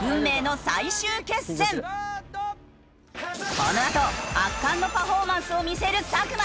このあと圧巻のパフォーマンスを見せる作間！